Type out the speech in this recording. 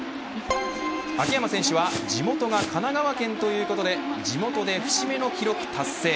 秋山選手は地元が神奈川県ということで地元で節目の記録達成。